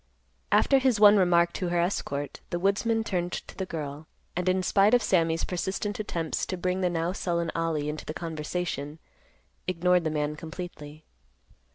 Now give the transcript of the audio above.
After his one remark to her escort, the woodsman turned to the girl, and, in spite of Sammy's persistent attempts to bring the now sullen Ollie into the conversation, ignored the man completely.